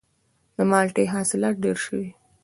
د مالټې حاصلات ډیر شوي؟